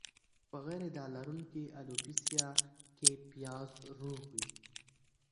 په غیر داغ لرونکې الوپیسیا کې پیاز روغ وي.